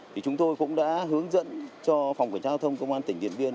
thì chúng tôi cũng đã hướng dẫn cho phòng quản trang thông công an tỉnh điện biên